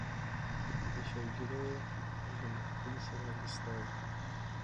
د شوګیراو د محفل څراغ دې ستا وي